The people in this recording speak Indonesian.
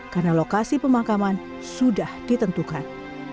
karena lokasi pemakaman sudah ditentukan